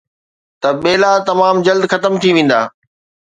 ته ٻيلا تمام جلد ختم ٿي ويندا.